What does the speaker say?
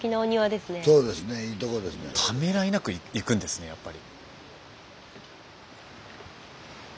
スタジオためらいなく行くんですねやっぱり。